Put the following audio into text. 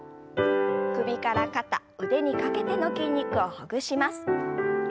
首から肩腕にかけての筋肉をほぐします。